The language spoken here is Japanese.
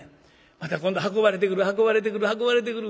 「また今度運ばれてくる運ばれてくる運ばれてくる。